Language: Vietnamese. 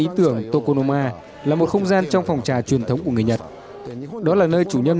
ý tưởng tokonoma là một không gian trong phòng trà truyền thống của người nhật đó là nơi chủ nhân